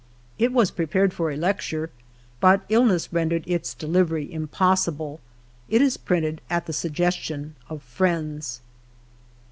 It was ])repared for a lecture, but illness rendered its delivery impo8sil)le. It is printed at the su i>estion of friends.